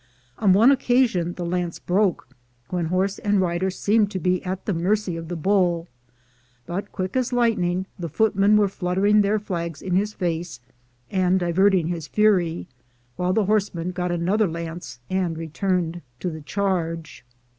On one occasion the lance broke, when horse and rider seemed to be at the mercy of the bull, but as quick as lightning the foot men were fluttering their flags in his face and divert ing his fury, while the horseman got another lance and returned to the charge.